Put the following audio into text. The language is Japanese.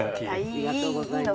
ありがとうございます。